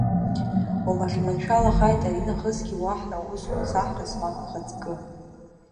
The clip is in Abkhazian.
Уамахь иманшәалахааит аринахысгьы уаҳра аусқәа, Саҳ Расмаг ухаҵкы!